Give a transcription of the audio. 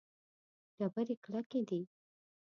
ډبرې کلکې دي.